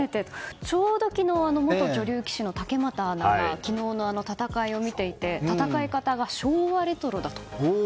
ちょうど昨日、元女流棋士の竹俣アナが昨日の戦いを見ていて戦い方が昭和レトロだと。